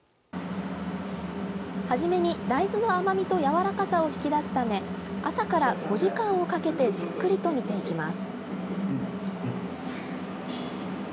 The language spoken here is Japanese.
初めに、大豆の甘みとやわらかさを引き出すため朝から５時間をかけてじっくりと煮ていきます。